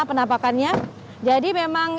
penampakannya jadi memang